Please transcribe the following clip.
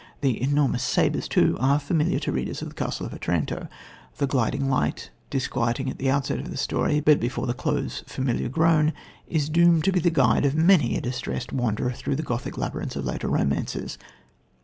The "enormous sabres" too are familiar to readers of The Castle of Otranto. The gliding light, disquieting at the outset of the story but before the close familiar grown, is doomed to be the guide of many a distressed wanderer through the Gothic labyrinths of later romances.